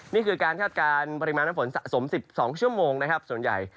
นี่คือการคาดการณ์ปริมาณน้ำฝนสะสม๑๒ชั่วโมงนะครับส่วนใหญ่